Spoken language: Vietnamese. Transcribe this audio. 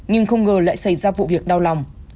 nhưng không ngờ lại xảy ra vụ việc đau lòng